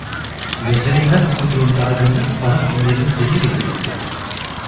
Gözlerinden okuduğum dargınlık bana günlerimi zehir ediyordu.